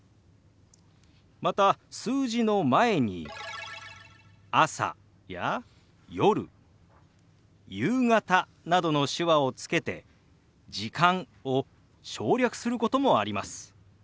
また数字の前に「朝」や「夜」「夕方」などの手話をつけて「時間」を省略することもあります。